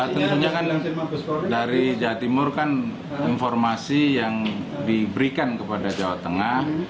tentunya kan dari jawa timur kan informasi yang diberikan kepada jawa tengah